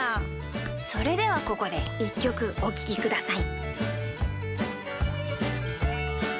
それではここでいっきょくおききください。